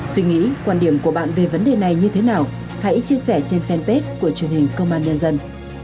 suy nghĩ quan điểm của bạn về vấn đề này như thế nào hãy chia sẻ trên fanpage của truyền hình công an nhân dân